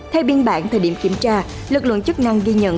theo biên bản thời điểm kiểm tra lực lượng chức năng ghi nhận